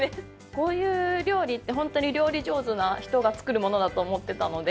こういう料理ってホントに料理上手な人が作るものだと思ってたので。